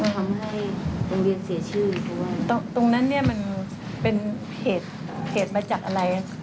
ทำให้โรงเรียนเสียชื่อเพราะว่าตรงนั้นเนี่ยมันเป็นเหตุมาจากอะไร